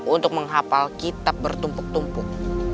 untuk menghapal kitab bertumpuk tumpuk